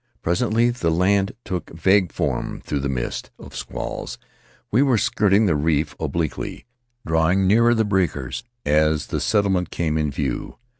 Presently the land took vague form through the mist of squalls; we were skirting the reef obliquely, drawing nearer the breakers as the settlement came in view.